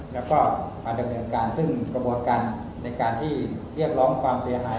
แล้วก็มาดำเนินการซึ่งกระบวนการในการที่เรียกร้องความเสียหาย